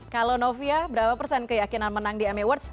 kalau novia berapa persen keyakinan menang di amy awards